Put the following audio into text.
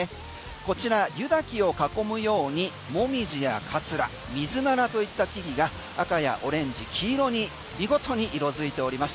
こちら湯滝を囲むようにモミジやカツラミズナラといった木が赤やオレンジ、黄色に見事に色づいております。